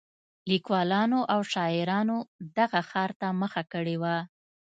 لیکوالانو او شاعرانو دغه ښار ته مخه کړې وه.